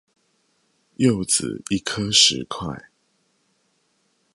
柚子一顆十塊